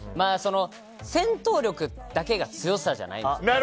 戦闘力だけが強さじゃないんですよ。